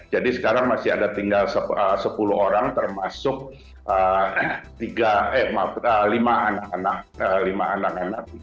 jadi sekarang masih ada tinggal sepuluh orang termasuk lima anak anak